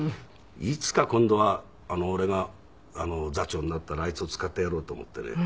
いつか今度は俺が座長になったらあいつを使ってやろうと思ってね。